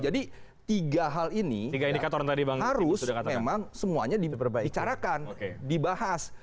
tiga hal ini harus memang semuanya dibicarakan dibahas